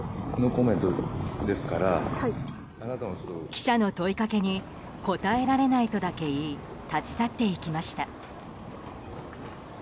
記者の問いかけに答えられないとだけ言い立ち去っていきました。